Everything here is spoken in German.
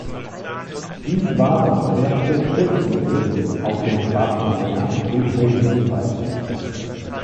Dies war das schwerste Schiffsunglück auf dem Schwarzen Meer in Friedenszeiten.